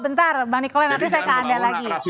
bentar bang nikola nanti saya ke anda lagi